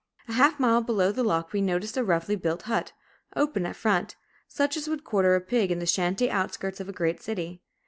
A half mile below the lock we noticed a roughly built hut, open at front, such as would quarter a pig in the shanty outskirts of a great city.